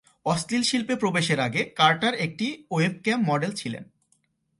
অশ্লীল শিল্পে প্রবেশের আগে কার্টার একটি ওয়েবক্যাম মডেল ছিলেন।